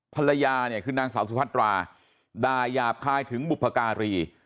ภรรยาเนี่ยคือนางสาวสุพัตราด่ายาบคายถึงบุพการี